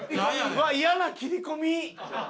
うわっイヤな切り込み。